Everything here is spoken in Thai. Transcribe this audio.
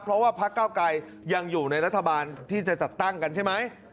เพราะว่าพักเก้าไกรยังอยู่ในรัฐบาลที่จะจัดตั้งกันใช่ไหม